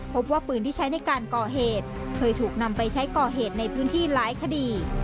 พบว่าปืนที่ใช้ในการก่อเหตุเคยถูกนำไปใช้ก่อเหตุในพื้นที่หลายคดี